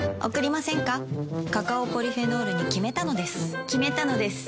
カカオポリフェノールに決めたのです決めたのです。